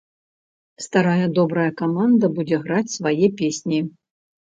Старая добрая каманда будзе граць свае песні.